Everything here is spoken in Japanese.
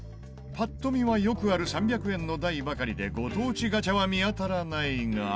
パッと見はよくある３００円の台ばかりでご当地ガチャは見当たらないが。